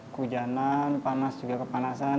hujanan panas juga kepanasan